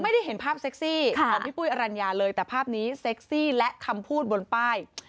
ไม่ได้เห็นภาพเซ็กซี่ของพี่ปุ้ยอรัญญาเลยแต่ภาพนี้เซ็กซี่และคำพูดบนป้าย